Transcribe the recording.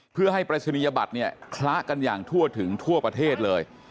เพื่อให้ปริศนียบัตรเนี่ยคละกันอย่างทั่วถึงทั่วประเทศเลย